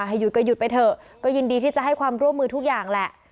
หยุดก็หยุดไปเถอะก็ยินดีที่จะให้ความร่วมมือทุกอย่างแหละ